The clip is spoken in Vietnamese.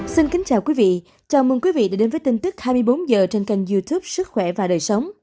xin kính chào quý vị chào mừng quý vị đã đến với tin tức hai mươi bốn h trên kênh youtube sức khỏe và đời sống